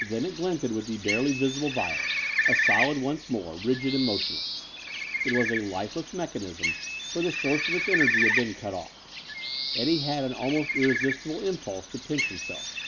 Then it glinted with the barely visible violet, a solid once more, rigid and motionless. It was a lifeless mechanism, for the source of its energy had been cut off. Eddie had an almost irresistible impulse to pinch himself.